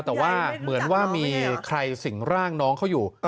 แต่ว่าเหมือนว่ามีใครสิ่งร่างน้องเขาอยู่